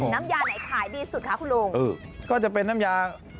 น้ำยาไหนขายดีสุดครับคุณลุงก็จะเป็นน้ำยากะทิกรุงเทพ